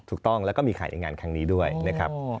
ถูกต้องแล้วก็มีขายในงานครั้งนี้ด้วยนะครับ